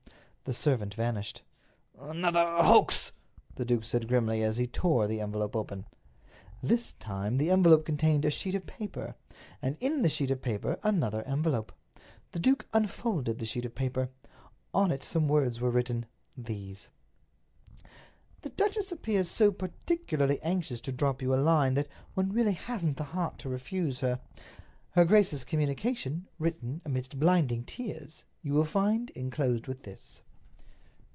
The servant vanished. "Another hoax!" the duke said grimly, as he tore the envelope open. This time the envelope contained a sheet of paper, and in the sheet of paper another envelope. The duke unfolded the sheet of paper. On it some words were written. These: "The duchess appears so particularly anxious to drop you a line, that one really hasn't the heart to refuse her. "Her grace's communication—written amidst blinding tears!—you will find inclosed with this."